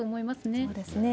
そうですね。